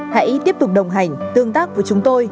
hãy tiếp tục đồng hành tương tác với chúng tôi